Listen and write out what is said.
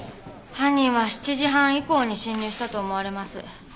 犯人は７時半以降に侵入したと思われます。